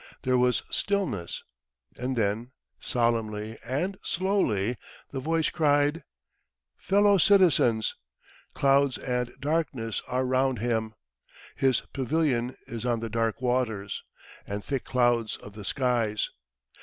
There was stillness, and then, solemnly and slowly, the voice cried, "Fellow citizens, Clouds and darkness are round Him! His pavilion is on the dark waters, and thick clouds of the skies!